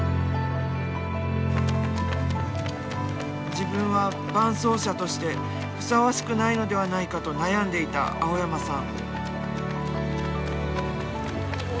自分は伴走者としてふさわしくないのではないかと悩んでいた青山さん。